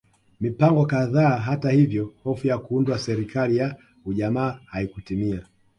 Mipango kadhaa hata hivyo hofu ya kuundwa serikali ya ujamaa haikutimia